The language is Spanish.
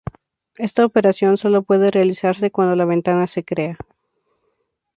Esta operación solo puede realizarse cuando la ventana se crea.